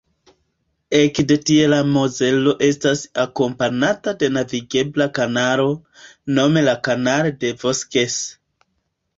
Ekde tie la Mozelo estas akompanata de navigebla kanalo, nome la Canal des Vosges.